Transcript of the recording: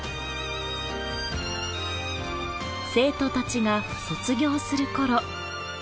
生徒たちが卒業するころ